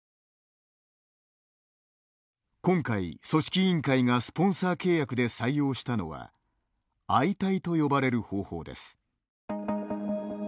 今回、組織委員会がスポンサー契約で採用したのは相対と呼ばれる方法です。